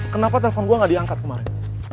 kenapa telpon gue gak diangkat kemarin